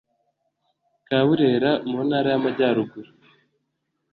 ka burera mu intara y amajyaruguru